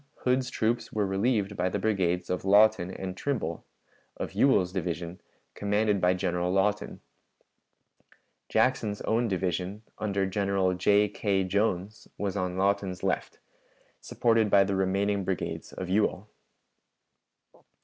Hood's troops were relieved by the brigades of Lawton and Trimble, of Ewell's division, commanded by General Lawton. Jackson's own division, under General J. K. Jones, was on Lawton's left, supported by the remaining brigades of Ewell.